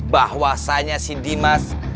bahwasanya si dimas